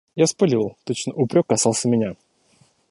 Я вспылил, точно упрек касался меня.